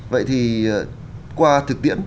vậy thì qua thực tiễn